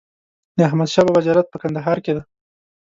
د احمد شا بابا زیارت په کندهار کی دی